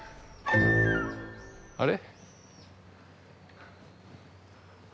あれ？